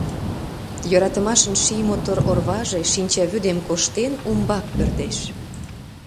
Йӧратымашын ший мотор орваже, Шинчавӱдем коштен, умбак пӧрдеш.